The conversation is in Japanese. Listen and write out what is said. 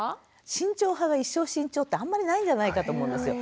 慎重派は一生慎重ってあんまりないんじゃないかと思うんですよ。